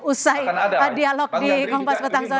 usai dialog di kompas petang solo